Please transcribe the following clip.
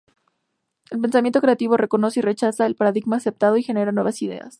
El pensamiento creativo reconoce y rechaza el paradigma aceptado, y genera nuevas ideas.